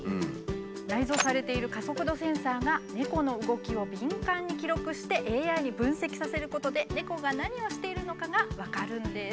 内蔵されている加速度センサーが猫の動きを敏感に記録してＡＩに分析させることで猫が何をしているのかが分かるんです。